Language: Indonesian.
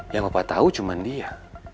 yang papa tau cuman dia